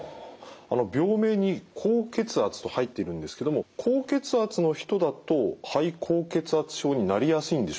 病名に高血圧と入ってるんですけども高血圧の人だと肺高血圧症になりやすいんでしょうか。